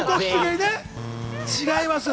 違います。